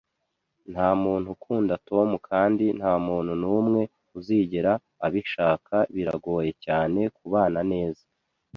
Ntamuntu ukunda Tom kandi ntamuntu numwe uzigera abishaka. Biragoye cyane kubana neza